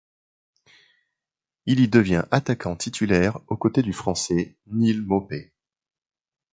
Il y devient attaquant titulaire au côté du Français Neal Maupay.